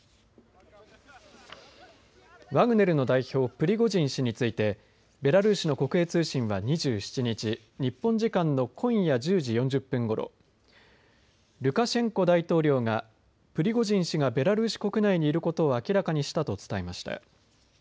プリゴジン氏についてベラルーシの国営通信は２７日日本時間の今夜１０時４０分ごろルカシェンコ大統領がプリゴジン氏がベラルーシ国内にいることを明らかにしたと伝えました。